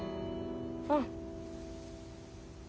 うん！